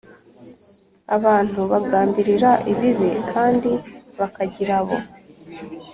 Abantu bagambirira ibibi kandi bakagira abo